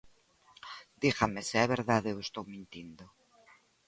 Dígame se é verdade ou estou mentindo.